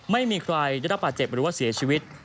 ไม่มีใครได้รับบาดเจ็บหรือว่าเสียชีวิต